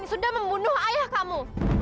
sudah membunuh ayah kamu